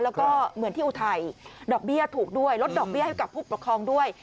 แล้วก็เหมือนที่อุทัยดอกเบี้ยถูกด้วยลดดอกเบี้ยให้กับผู้ปกครองด้วย